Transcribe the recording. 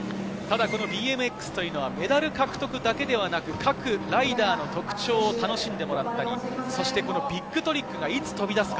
ＢＭＸはメダル獲得だけではなく、各ライダーの特徴を楽しんでもらったり、ビッグトリックが、いつ飛び出すか。